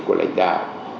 của lãnh đạo